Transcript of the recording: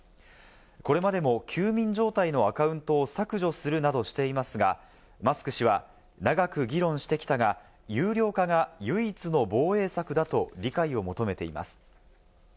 これまでも休眠状態のアカウントを削除するなどしていますが、マスク氏は長く議論してきたが、有料化が唯一の防衛策だと理解を求めています。